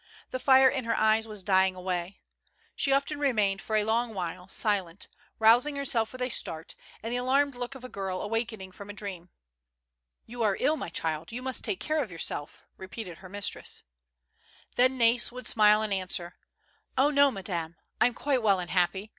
The fire in her eyes was dying away. She often remained for a long while silent, rousing her self with a start, and the alarmed look of a girl awaken ing from a dream. " You are ill, my child; you must take care of your self," repeated her mistress. THE LANDSLIP. 146 Then Nais would smile and answer: ''Oh, no, madame; I'm quite well and happy.